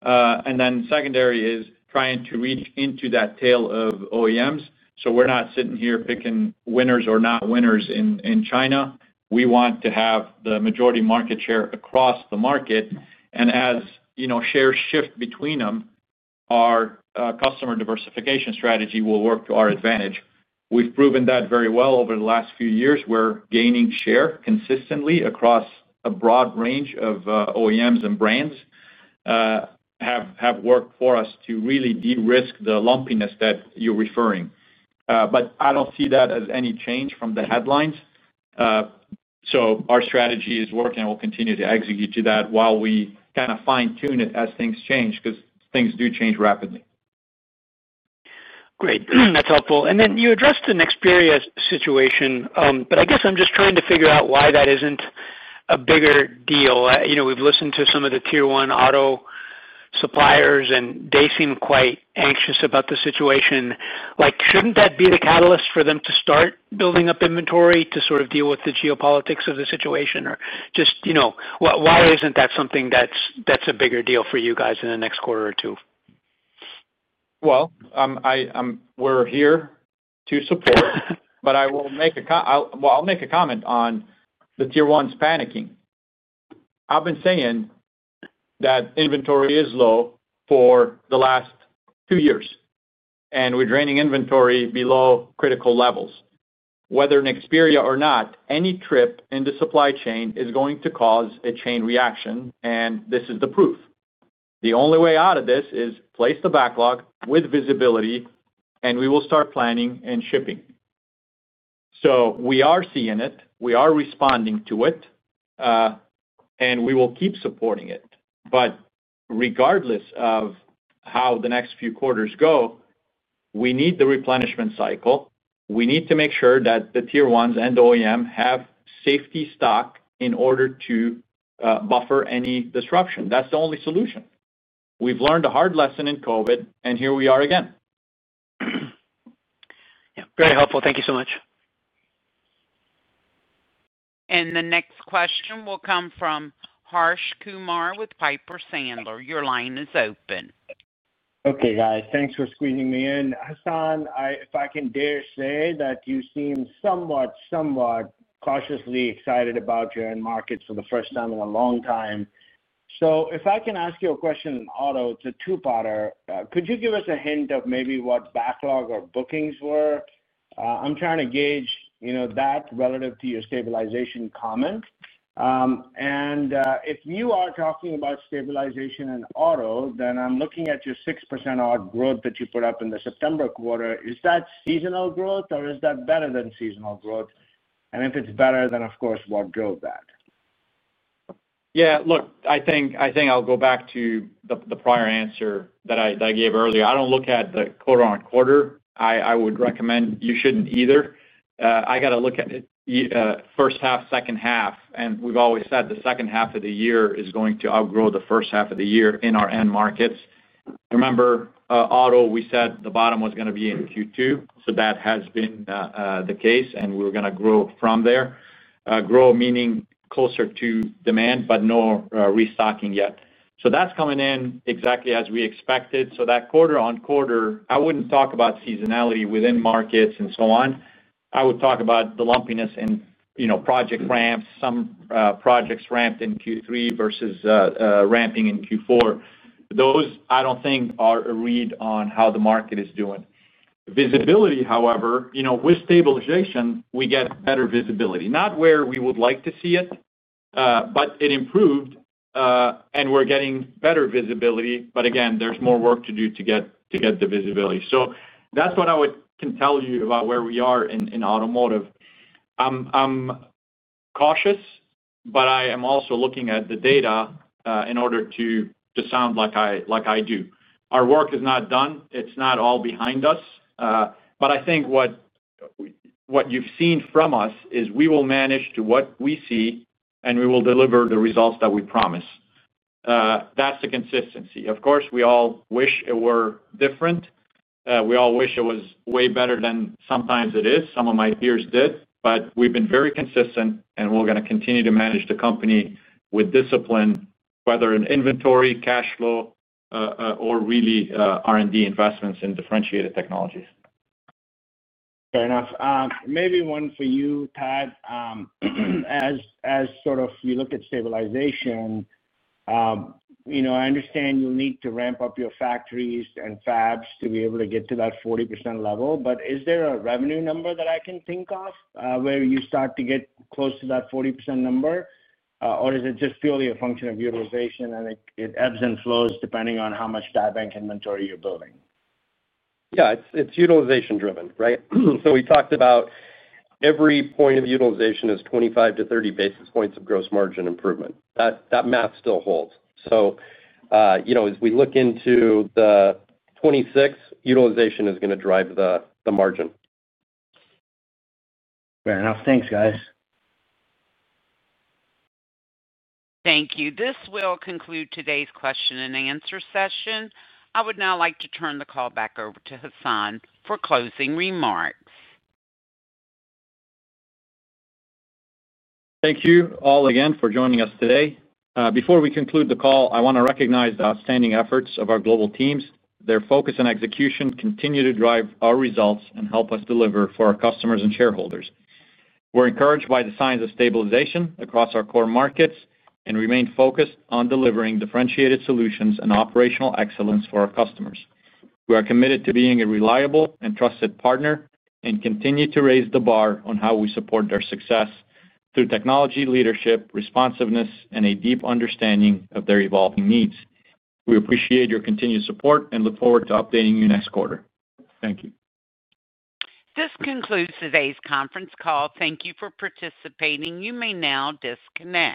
And then secondary is trying to reach into that tail of OEMs. So we're not sitting here picking winners or not winners in China. We want to have the majority market share across the market. And as shares shift between them, our customer diversification strategy will work to our advantage. We've proven that very well over the last few years. We're gaining share consistently across a broad range of OEMs and brands. Have worked for us to really de-risk the lumpiness that you're referring. But I don't see that as any change from the headlines. So our strategy is working, and we'll continue to execute to that while we kind of fine-tune it as things change because things do change rapidly. Great. That's helpful. And then you addressed an experience situation, but I guess I'm just trying to figure out why that isn't a bigger deal. We've listened to some of the tier one auto suppliers, and they seem quite anxious about the situation. Shouldn't that be the catalyst for them to start building up inventory to sort of deal with the geopolitics of the situation? Or just. Why isn't that something that's a bigger deal for you guys in the next quarter or two? We're here to support, but I will make a comment on the tier ones panicking. I've been saying that inventory is low for the last two years, and we're draining inventory below critical levels. Whether Nexperia or not, any trip into supply chain is going to cause a chain reaction, and this is the proof. The only way out of this is place the backlog with visibility, and we will start planning and shipping. So we are seeing it. We are responding to it. And we will keep supporting it. Regardless of how the next few quarters go, we need the replenishment cycle. We need to make sure that the tier ones and OEMs have safety stock in order to buffer any disruption. That is the only solution. We have learned a hard lesson in COVID, and here we are again. Yeah. Very helpful. Thank you so much. The next question will come from Harsh Kumar with Piper Sandler. Your line is open. Okay, guys. Thanks for squeezing me in. Hassane, if I can dare say that you seem somewhat, somewhat cautiously excited about your end markets for the first time in a long time. If I can ask you a question in auto, a two-parter, could you give us a hint of maybe what backlog or bookings were? I am trying to gauge that relative to your stabilization comment. If you are talking about stabilization in auto, then I am looking at your 6% odd growth that you put up in the September quarter. Is that seasonal growth, or is that better than seasonal growth? If it is better, then, of course, what drove that? Yeah. Look, I think I will go back to the prior answer that I gave earlier. I do not look at the quarter-on-quarter. I would recommend you should not either. I have to look at first half, second half. We have always said the second half of the year is going to outgrow the first half of the year in our end markets. Remember, auto, we said the bottom was going to be in Q2. That has been the case, and we were going to grow from there. Grow meaning closer to demand, but no restocking yet. That is coming in exactly as we expected. That quarter-on-quarter, I would not talk about seasonality within markets and so on. I would talk about the lumpiness and project ramps. Some projects ramped in Q3 versus ramping in Q4. Those, I do not think, are a read on how the market is doing. Visibility, however, with stabilization, we get better visibility. Not where we would like to see it, but it improved. We are getting better visibility. Again, there is more work to do to get the visibility. That is what I can tell you about where we are in automotive. I am cautious, but I am also looking at the data in order to sound like I do. Our work is not done. It is not all behind us. I think what you have seen from us is we will manage to what we see, and we will deliver the results that we promise. That is the consistency. Of course, we all wish it were different. We all wish it was way better than sometimes it is. Some of my peers did. We have been very consistent, and we are going to continue to manage the company with discipline, whether in inventory, cash flow, or really R&D investments in differentiated technologies. Fair enough. Maybe one for you, Thad. As sort of you look at stabilization. I understand you'll need to ramp up your factories and fabs to be able to get to that 40% level. But is there a revenue number that I can think of where you start to get close to that 40% number, or is it just purely a function of utilization and it ebbs and flows depending on how much die bank inventory you're building? Yeah. It's utilization-driven, right? So we talked about. Every point of utilization is 25-30 basis points of gross margin improvement. That math still holds. As we look into the 2026, utilization is going to drive the margin. Fair enough. Thanks, guys. Thank you. This will conclude today's question and answer session. I would now like to turn the call back over to Hassane for closing remarks. Thank you all again for joining us today. Before we conclude the call, I want to recognize the outstanding efforts of our global teams. Their focus and execution continue to drive our results and help us deliver for our customers and shareholders. We're encouraged by the signs of stabilization across our core markets and remain focused on delivering differentiated solutions and operational excellence for our customers. We are committed to being a reliable and trusted partner and continue to raise the bar on how we support their success through technology, leadership, responsiveness, and a deep understanding of their evolving needs. We appreciate your continued support and look forward to updating you next quarter. Thank you. This concludes today's conference call. Thank you for participating. You may now disconnect.